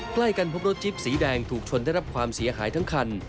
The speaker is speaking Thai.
ใกล้กันพบรถจิ๊บสีแดงถูกชนได้รับความเสียหายทั้งคัน